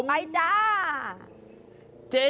ไปจ๊ะ